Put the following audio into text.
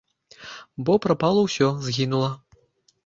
Бо прапала ўсё, згінула.